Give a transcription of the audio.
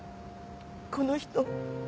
この人。